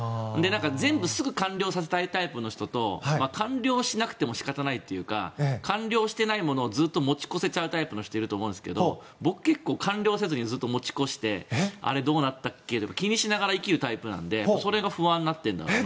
全部すぐに完了させたいタイプの人と完了しなくても仕方ないっていうか完了してないものを持ち越せちゃうタイプの人がいると思うんですが僕は結構完了せずにずっと持ち越してあれ、どうなったっけって気にしながら生きるタイプなのでそれが不安になってるのかなって。